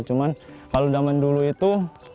cuma kalau zaman dulu itu